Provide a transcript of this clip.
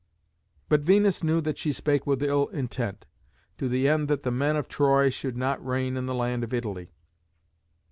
But Venus knew that she spake with ill intent, to the end that the men of Troy should not reign in the land of Italy.